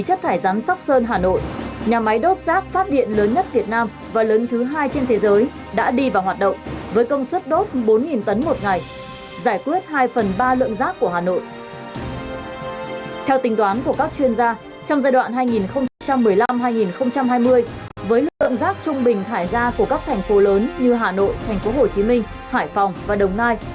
theo tính đoán của các chuyên gia trong giai đoạn hai nghìn một mươi năm hai nghìn hai mươi với lượng rác trung bình thải ra của các thành phố lớn như hà nội thành phố hồ chí minh hải phòng và đồng nai